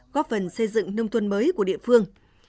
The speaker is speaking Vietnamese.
góp phần xây dựng nông thôn mới của địa phương